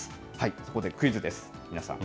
そこでクイズです、皆さん。